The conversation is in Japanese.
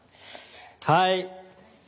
はい。